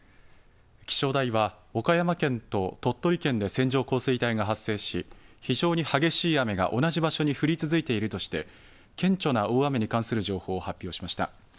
気象台は岡山県と鳥取県で線状降水帯が発生し非常に激しい雨が同じ場所に降り続いているとして顕著な大雨に関する情報を発表しました。